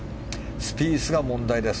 スピースが問題です。